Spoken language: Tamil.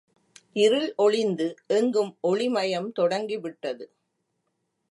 இருள் ஒழிந்து எங்கும் ஒளிமயம் தொடங்கிவிட்டது.